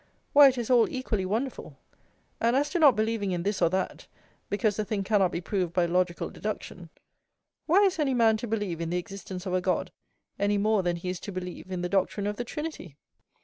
Why, it is all equally wonderful, and as to not believing in this or that, because the thing cannot be proved by logical deduction, why is any man to believe in the existence of a God any more than he is to believe in the doctrine of the Trinity?